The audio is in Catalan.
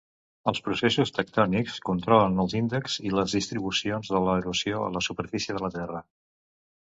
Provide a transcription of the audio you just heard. Els processos tectònics controlen els índexs i les distribucions de l"erosió a la superfície de la terra.